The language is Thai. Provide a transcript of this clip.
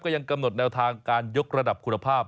ยังกำหนดแนวทางการยกระดับคุณภาพ